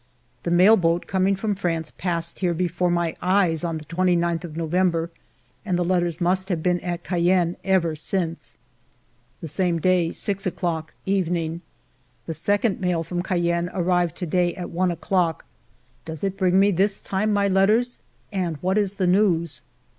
The mail boat coming from France passed here before my eyes, on the 29th of November, and the letters must have been at Cayenne ever since. The same day^ 6 clocks evening. The second mail from Cayenne arrived to day at one o'clock. Does it bring me this time my letters, and what is the news